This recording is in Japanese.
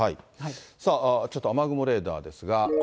さあ、ちょっと雨雲レーダーですが。